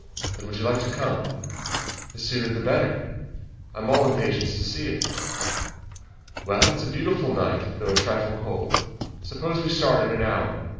"When would you like to come?" "The sooner the better. I am all impatience to see it." "Well, it is a beautiful night though a trifle cold. Suppose we start in an hour.